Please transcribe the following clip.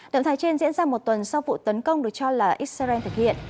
động thái trên diễn ra một tuần sau vụ tấn công được cho là israel thực hiện